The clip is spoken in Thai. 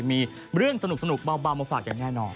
มีเรื่องสนุกเบามาฝากอย่างแน่นอน